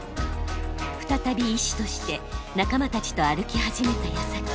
再び医師として仲間たちと歩き始めたやさき。